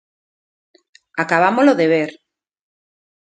Acabámolo de ver.